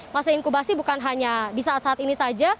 masa inkubasi bukan hanya di saat saat ini saja